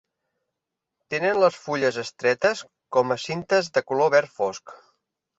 Tenen les fulles estretes com a cintes de color verd fosc.